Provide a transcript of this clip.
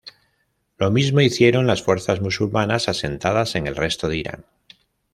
Lo mismo hicieron las fuerzas musulmanas asentadas en el resto de Irán.